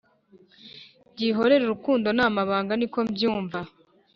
byihorere urukundo n’amabanga niko byumva